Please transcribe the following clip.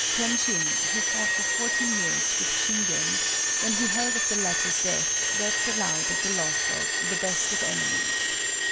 Kenshin, who fought for fourteen years with Shingen, when he heard of the latter's death, wept aloud at the loss of "the best of enemies."